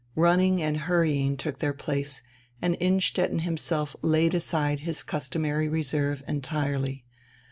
Running and hurrying took dieir place, and Inn stetten himself laid aside his customary reserve entirely.